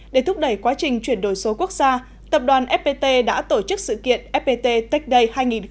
để thúc đẩy quá trình chuyển đổi số quốc gia tập đoàn fpt đã tổ chức sự kiện fpt tech day hai nghìn một mươi chín